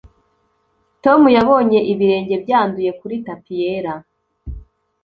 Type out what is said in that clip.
tom yabonye ibirenge byanduye kuri tapi yera